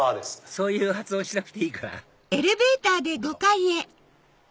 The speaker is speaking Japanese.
そういう発音しなくていいからきた。